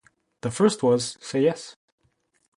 The first was Say Yes!